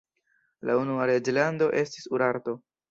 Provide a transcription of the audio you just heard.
La unua reĝlando estis Urarto.